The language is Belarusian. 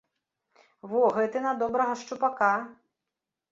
Во гэты на добрага шчупака.